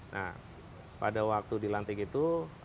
nah pada waktu dilantik itu